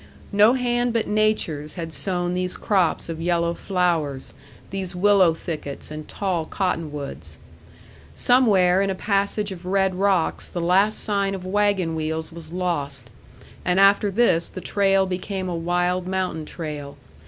No hand but nature's had sown these crops of yellow flowers, these willow thickets and tall cottonwoods. Somewhere in a passage of red rocks the last sign of wagon wheels was lost, and after this the trail became a wild mountain trail.